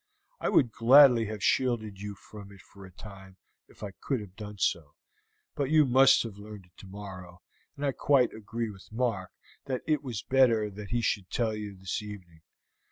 I would gladly have shielded you from it for a time if I could have done so, but you must have learned it tomorrow, and I quite agree with Mark that is was better that he should tell you this evening.